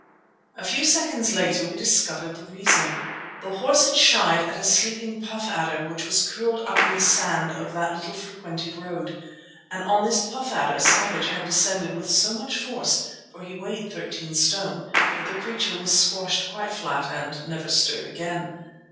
A few seconds later we discovered the reason. The horse had shied at a sleeping puff adder which was curled up in the sand of that little frequented road, and on this puff adder Savage had descended with so much force, for he weighed thirteen stone, that the creature was squashed quite flat and never stirred again.